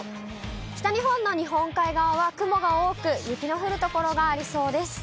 北日本の日本海側は雲が多く、雪の降る所がありそうです。